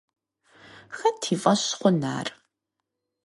Хэт и фӏэщ хъун ар?